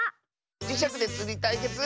じしゃくでつりたいけつ